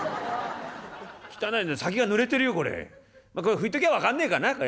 拭いときゃ分かんねえかなこれ。